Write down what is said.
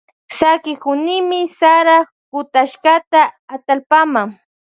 Sakikunimi sara kutashkata atallpama.